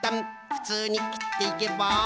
ふつうにきっていけば。